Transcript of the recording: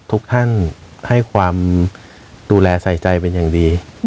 ทุกท่านให้ความดูแลใส่ใจเป็นอย่างดี